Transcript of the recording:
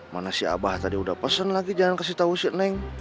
mana si abah tadi udah pesen lagi jangan kasih tahu si neng